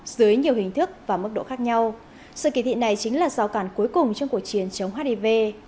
dưới nhiều hình thức và mức độ khác nhau sự kỳ thị này chính là rào cản cuối cùng trong cuộc chiến chống hiv